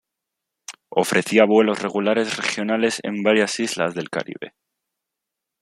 Ofrecía vuelos regulares regionales en varias islas del caribe.